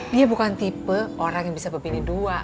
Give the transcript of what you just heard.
dia bukan tipe orang yang bisa memilih dua